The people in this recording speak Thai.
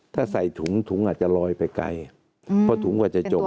ถ้าใส่ถุงถุงอาจจะลอยไปไกลเพราะถุงกว่าจะจม